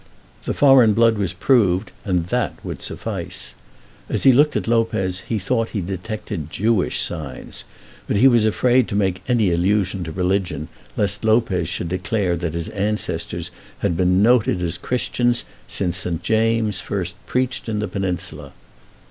The foreign blood was proved, and that would suffice. As he looked at Lopez he thought that he detected Jewish signs, but he was afraid to make any allusion to religion, lest Lopez should declare that his ancestors had been noted as Christians since St. James first preached in the Peninsula.